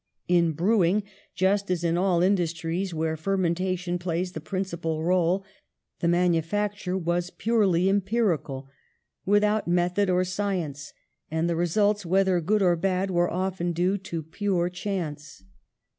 In brewing, just as in all industries where fer mentation plays the principal role, the manu facture was purely empirical, without method or science, and the results, whether good or bad, were often due to pure chance.